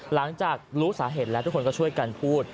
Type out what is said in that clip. หลังจากรู้สาเหตุแล้วทุกคนก็ช่วยกันพูด